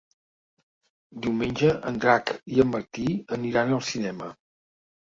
Diumenge en Drac i en Martí aniran al cinema.